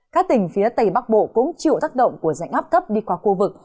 các tỉnh phía tây bắc bộ cũng chịu tác động của dạnh áp thấp đi qua khu vực